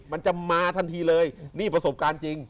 มันจะมาทันทีเลยนี่ประสบการณ์จริง